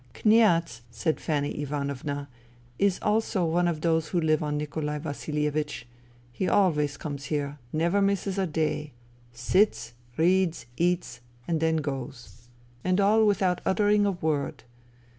" Kniaz," said Fanny Ivanovna, " is also one of those who live on Nikolai Vasilievich. He always comes here. Never misses a day. Sits, reads, eats, and then goes. And all without uttering a word.